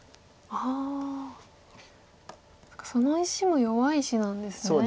その石も弱い石なんですね。